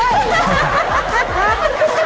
ฮ่า